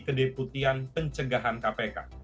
kedeputian pencegahan kpk